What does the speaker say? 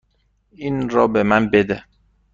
این را به من بده.